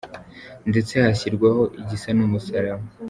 ndetse hashyirwaho igisa n’umusaraba.